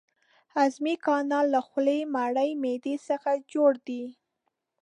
هضمي کانال له خولې، مرۍ، معدې څخه جوړ دی.